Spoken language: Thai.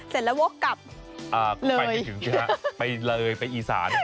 เสร็จแล้วโว๊คกลับเลยไปเลยไปอีสาน